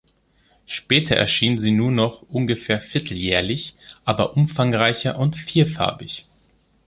Später erschien sie nur noch ungefähr vierteljährlich, aber umfangreicher und vierfarbig.